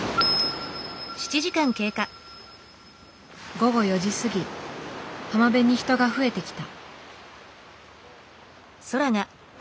午後４時過ぎ浜辺に人が増えてきた。